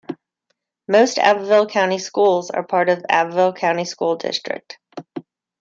Most Abbeville County schools are part of the Abbeville County School District.